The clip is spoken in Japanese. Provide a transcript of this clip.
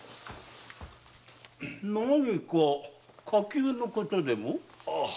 何か火急なことでも？